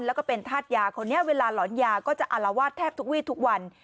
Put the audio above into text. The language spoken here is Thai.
แล้วก็เป็นธาตุยาคนนี้เวลาหลอนยาก็จะอารวาสแทบทุกวีทุกวัน